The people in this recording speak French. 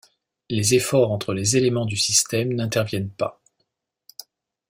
Les efforts entre les éléments du système n'interviennent pas.